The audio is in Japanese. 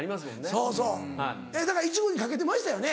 そうそうだからいちごにかけてましたよね？